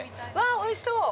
◆おいしそう。